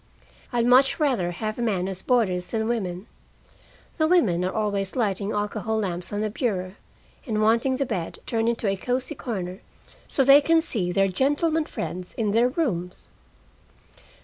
I'd much rather have men as boarders than women. The women are always lighting alcohol lamps on the bureau, and wanting the bed turned into a cozy corner so they can see their gentlemen friends in their rooms.